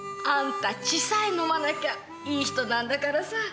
あんた血さえのまなきゃいいひとなんだからさ。